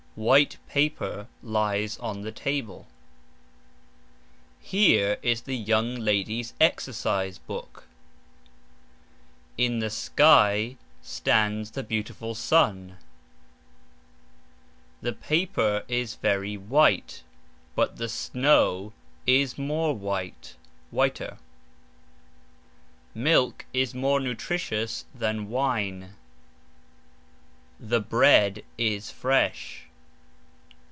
White paper lies on the table. Here is the young lady's exercise book. In the sky stands (is) the beautiful sun. The paper is very white, but the snow is more white (whiter). Milk is more nutritious than wine. The bread is fresh.